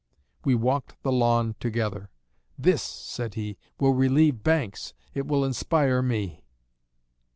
... We walked the lawn together. 'This,' said he, 'will relieve Banks. It will inspire me.'"